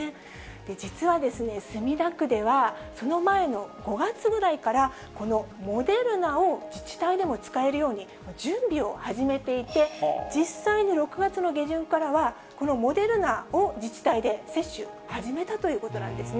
実は墨田区では、その前の５月ぐらいから、このモデルナを自治体でも使えるように準備を始めていて、実際の６月の下旬からはこのモデルナを自治体で接種始めたということなんですね。